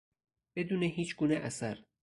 بدون هیچگونه اثر